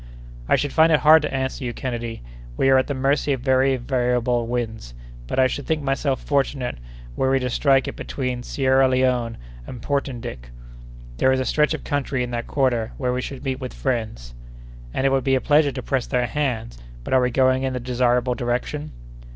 "I should find it hard to answer you, Kennedy. We are at the mercy of very variable winds; but I should think myself fortunate were we to strike it between Sierra Leone and Portendick. There is a stretch of country in that quarter where we should meet with friends." "And it would be a pleasure to press their hands; but, are we going in the desirable direction?"